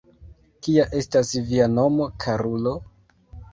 Kia estas via nomo, karulo?